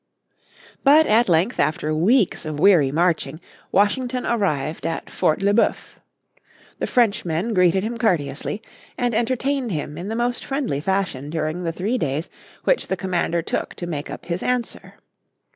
But at length after weeks of weary marching Washington arrived at Fort le Boeuf. The Frenchmen greeted him courteously, and entertained him in the most friendly fashion during the three days which the commander took to make up his answer.